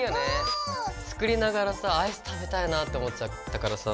作りながらさぁアイス食べたいなって思っちゃったからさ。